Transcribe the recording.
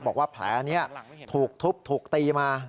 บอกว่าแผลนี้ถูกทุบถูกตีมา